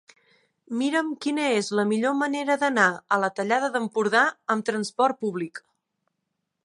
Mira'm quina és la millor manera d'anar a la Tallada d'Empordà amb trasport públic.